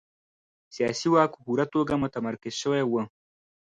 سیاسي واک په پوره توګه متمرکز شوی و.